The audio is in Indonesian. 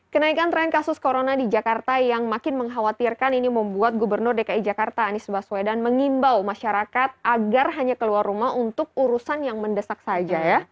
kenaikan tren kasus corona di jakarta yang makin mengkhawatirkan ini membuat gubernur dki jakarta anies baswedan mengimbau masyarakat agar hanya keluar rumah untuk urusan yang mendesak saja ya